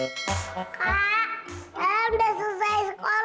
kak udah selesai sekolah